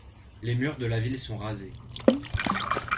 Les murs de la ville sont rasés.